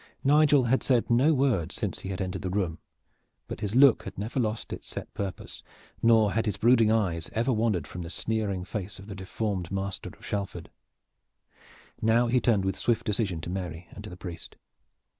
Nigel had said no word since he had entered the room, but his look had never lost its set purpose, nor had his brooding eyes ever wandered from the sneering face of the deformed master of Shalford. Now he turned with swift decision to Mary and to the priest.